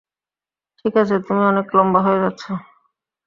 ঠিক আছে - তুমি অনেক লম্বা হয়ে যাচ্ছ।